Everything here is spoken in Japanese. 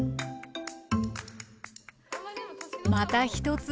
また一つ